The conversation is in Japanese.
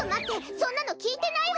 そんなのきいてないわ！